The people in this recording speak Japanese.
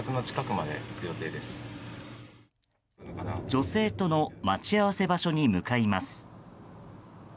女性との待ち合わせ場所に向かいます。